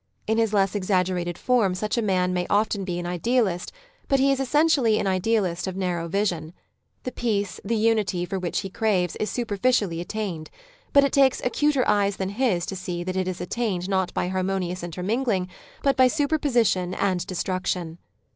In his less exaggerated form such a man may often be an idealist, but he is essentially an idealist of narrow vision. The peace, the unity, for which he craves is superficially attained ;. but it takes acuter eyes than his to see that it is attained not by harmoniovis intermingling, but by super position and destruction.